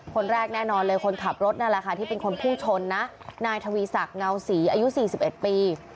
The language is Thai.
คนแรกแน่นอนเลยคนขับรถนั่นแหละค่ะที่เป็นคนพุ่งชนนะนายทวีศักดิ์เงาศรีอายุ๔๑ปี